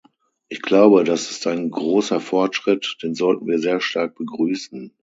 Ich glaube, das ist ein großer Fortschritt, den sollten wir sehr stark begrüßen.